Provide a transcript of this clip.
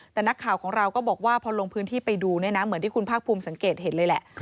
แต่นักข่าวของเราก็บอกว่าพอลงพื้นที่ไปดูเนี่ยนะเหมือนที่คุณภาคภูมิสังเกตเห็นเลยแหละ